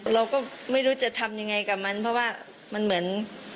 เราก็ไม่รู้จะทำยังไงกับมันเพราะว่ามันเหมือน